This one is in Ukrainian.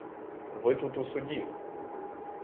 Ви тут у суді!